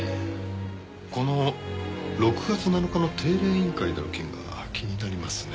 この６月７日の定例委員会での件が気になりますね。